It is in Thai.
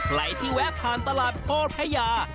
ใครที่แวะผ่านตลาดโพพญา